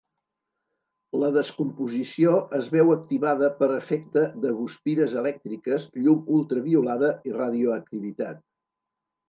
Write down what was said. La descomposició es veu activada per efecte de guspires elèctriques, llum ultraviolada i radioactivitat.